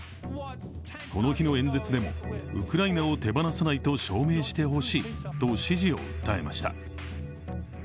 この日の演説でも、ウクライナを手放さないと証明してほしいと支持を訴えました。